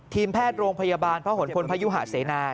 ทีมแพทย์โรงพยาบาลพระหลพลพยุหะเสนา